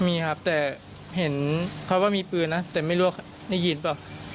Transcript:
มีครับแต่เห็นเขาว่ามีปืนนะแต่ไม่รู้ว่าได้ยินเปล่า